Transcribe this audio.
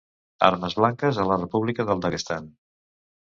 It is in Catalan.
Armes blanques a la República del Daguestan.